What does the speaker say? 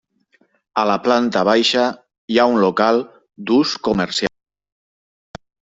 A la planta baixa hi ha un local d'ús comercial.